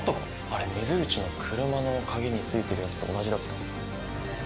あれ水口の車の鍵についてるやつと同じだった。